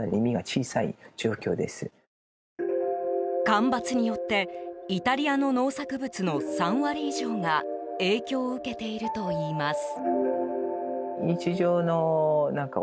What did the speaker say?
干ばつによってイタリアの農作物の３割以上が影響を受けているといいます。